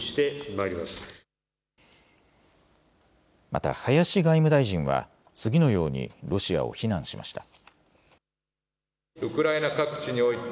また林外務大臣は次のようにロシアを非難しました。